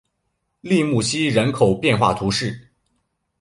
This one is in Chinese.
利穆西人口变化图示